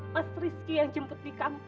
mas rizky yang jemput di kampung